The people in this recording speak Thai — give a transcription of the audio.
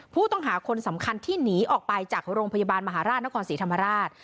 ผู้ต้องหาคนสำคัญที่หนีออกไปจากโรงพยาบาลมหาราชนครศรีธรรมราช